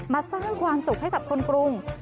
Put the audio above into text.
สร้างความสุขให้กับคนกรุง